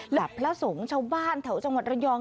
หลักพระสงฆ์ชาวบ้านเท่าจังหวัดระยอง